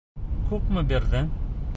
Күпме бирҙең?